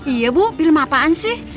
iya bu film apaan sih